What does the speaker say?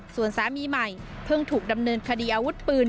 ส่วนสามีใหม่เพิ่งถูกดำเนินคดีอาวุธปืน